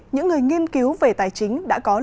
những người nghiên cứu về tài chính đã có thông tin